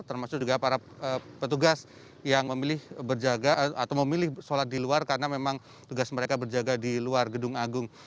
termasuk juga para petugas yang memilih berjaga atau memilih sholat di luar karena memang tugas mereka berjaga di luar gedung agung